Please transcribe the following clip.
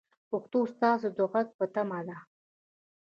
پښتو ستاسو د غږ په تمه ده.